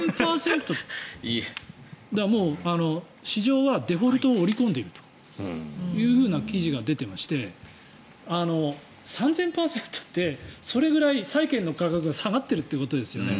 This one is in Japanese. もう市場はデフォルトを織り込んでいるという記事が出ていまして３０００％ってそれぐらい債券の価格が下がっているということですよね。